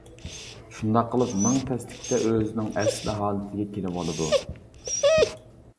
شۇنداق قىلىپ مىڭ تەسلىكتە ئۆزىنىڭ ئەسلى ھالىتىگە كېلىۋالىدۇ.